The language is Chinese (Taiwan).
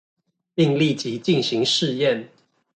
並立即進行試驗